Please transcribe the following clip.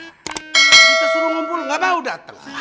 kita suruh ngumpul enggak apa apa udah